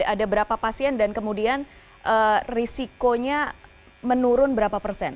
ada berapa pasien dan kemudian risikonya menurun berapa persen